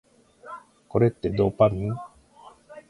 これってドーパミン？